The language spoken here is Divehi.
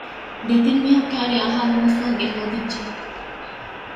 ދެތިން މީހަކު ކައިރީ އަހާލުމަށްފަހު ގެ ހޯދިއްޖެ